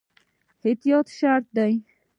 احتیاط شرط دی